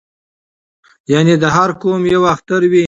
یعنې د هر قوم یو اختر وي